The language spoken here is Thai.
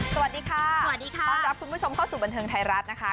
สวัสดีค่ะสวัสดีค่ะต้อนรับคุณผู้ชมเข้าสู่บันเทิงไทยรัฐนะคะ